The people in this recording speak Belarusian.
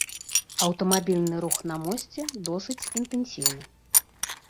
Аўтамабільны рух на мосце досыць інтэнсіўны.